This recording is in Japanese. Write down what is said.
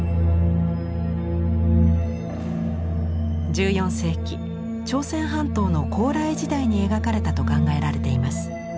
１４世紀朝鮮半島の高麗時代に描かれたと考えられています。